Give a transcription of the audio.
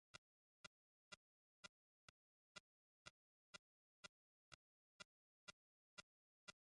তারা মূলত আধুনিক সঙ্গীত-সরঞ্জামের সমন্বয়ে গ্রাম-বাংলার সনাতন বাউল সঙ্গীত গেয়ে থাকেন।